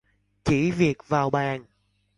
Chỉ việc vào bàn